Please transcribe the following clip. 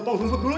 tunggu dulu ya